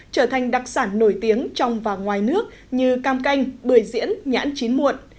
trở thành đặc sản nổi tiếng trong và ngoài nước như cam canh bưởi diễn nhãn chín muộn